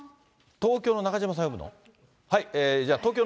東京の中島さん呼ぶの？